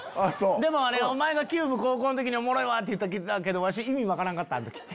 でもお前が『ＣＵＢＥ』高校ん時おもろいわ！って言ってたけどわし意味分からんかった。